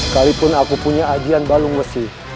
kalipun aku punya ajian balung besi